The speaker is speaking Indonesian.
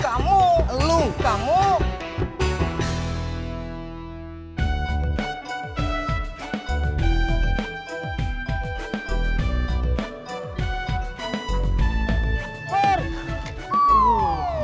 kamu merekauity anjur gini